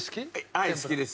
はい好きです。